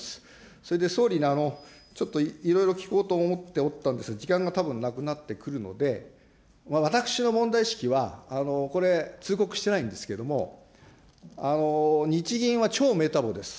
それで総理に、ちょっといろいろ聞こうと思っておったんですが、時間がたぶんなくなってくるので、私の問題意識は、これ、通告してないんですけれども、日銀は超メタボです。